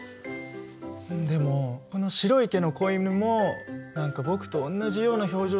でもこの白い毛の子犬も何か僕とおんなじような表情してるよね。